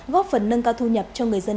góp phần nâng cao thu nhập cho người dân